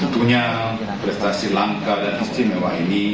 tentunya prestasi langka dan istimewa ini